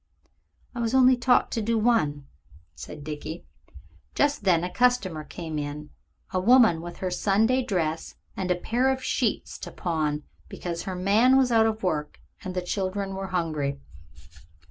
"I was only taught to do one," said Dickie. Just then a customer came in a woman with her Sunday dress and a pair of sheets to pawn because her man was out of work and the children were hungry.